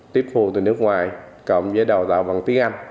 tiếp thu từ nước ngoài cộng với đào tạo bằng tiếng anh